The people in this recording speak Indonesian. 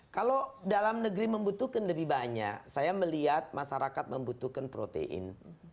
kalau dalam negeri membutuhkan lebih banyak saya melihat masyarakat membutuhkan protein